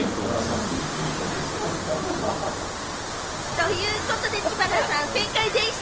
ということで、知花さん、正解でぃす！